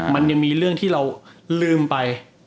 มันยังมีเรื่องที่เราลืมไป